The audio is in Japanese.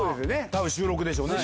多分収録でしょうね。